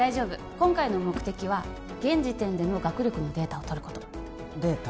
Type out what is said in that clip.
今回の目的は現時点での学力のデータをとることデータ？